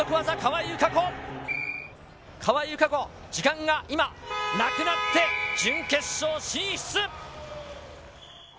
川井友香子、時間がなくなって準決勝進出。